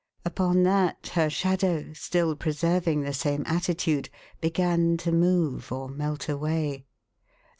Upon that, her shadow, still preserving the same attitude, began to move or melt away.